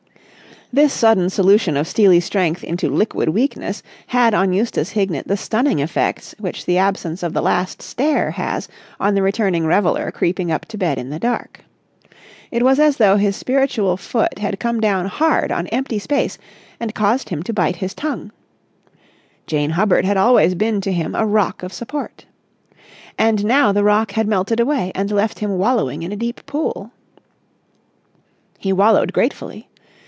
This sudden solution of steely strength into liquid weakness had on Eustace Hignett the stunning effects which the absence of the last stair has on the returning reveller creeping up to bed in the dark. It was as though his spiritual foot had come down hard on empty space and caused him to bite his tongue. Jane Hubbard had always been to him a rock of support. And now the rock had melted away and left him wallowing in a deep pool. He wallowed gratefully.